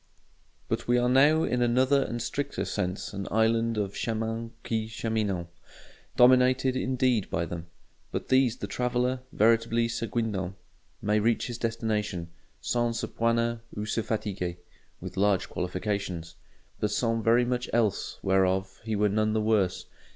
But we are now in another and stricter sense an island of chemins qui cheminent: dominated, indeed, by them. By these the traveller, veritably se guindans, may reach his destination "sans se poiner ou se fatiguer" (with large qualifications); but sans very much else whereof he were none the worse.